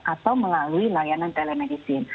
atau melalui layanan telemedicine